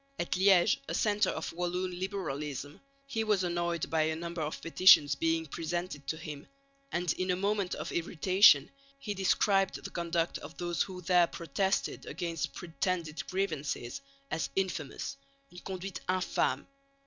At Liège, a centre of Walloon liberalism, he was annoyed by a number of petitions being presented to him; and, in a moment of irritation, he described the conduct of those who there protested against "pretended grievances" as infamous, "une conduite in fâme."